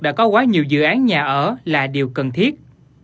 đã có quá nhiều dự án nhà ở là điều cần thiết